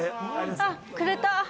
あっくれた。